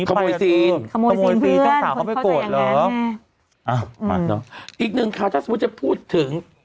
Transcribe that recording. อีกนึงค่ะถ้าเราพูดถึง